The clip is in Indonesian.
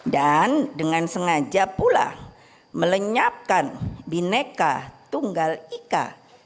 dan dengan sengaja pula melenyapkan bhinneka tunggal ika